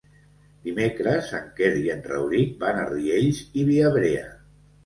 Dimecres en Quer i en Rauric van a Riells i Viabrea.